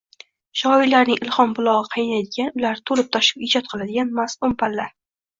Shoirlarning ilhom bulogʻi qaynaydigan, ular toʻlib-toshib ijod qiladigan masʼum palla.